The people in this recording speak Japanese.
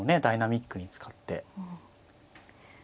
ダイナミックに使って。